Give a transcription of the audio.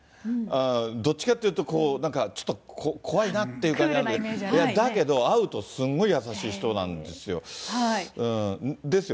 どっちかっていうと、ちょっと怖いなってイメージあるけど、だけど、会うとすごい優しい人なんですよ。